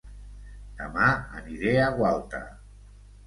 Dema aniré a Gualta